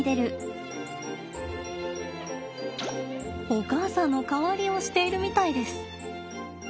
お母さんの代わりをしているみたいです。